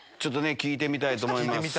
聞いてみたいと思います。